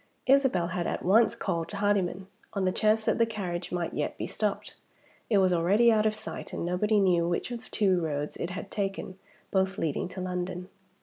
Isabel had at once called Hardyman, on the chance that the carriage might yet be stopped. It was already out of sight, and nobody knew which of two roads it had taken, both leading to London.